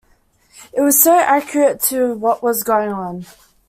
It was so accurate to what was going on.